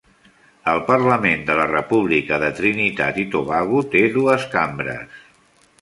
El Parlament de la República de Trinitat i Tobago té dues cambres.